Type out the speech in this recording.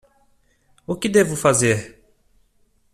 O que devo fazer?